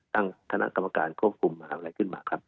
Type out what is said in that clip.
ตั้งฐานกรรมการเครื่องคุมพิวเกิดอะไรขึ้นมาครับ